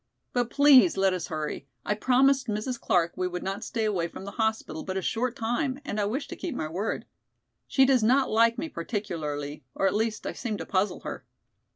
But please let us hurry. I promised Mrs. Clark we would not stay away from the hospital but a short time and I wish to keep my word. She does not like me particularly, or at least I seem to puzzle her."